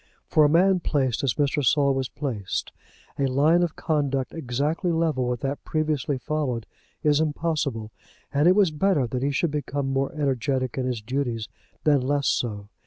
For a man placed as Mr. Saul was placed a line of conduct exactly level with that previously followed is impossible, and it was better that he should become more energetic in his duties than less so.